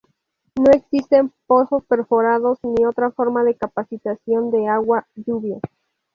No existen pozos perforados ni otra forma de capacitación de agua lluvia.